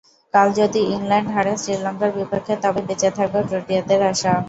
কাল যদি ইংল্যান্ড হারে শ্রীলঙ্কার বিপক্ষে, তবেই বেঁচে থাকবে প্রোটিয়াদের আশা।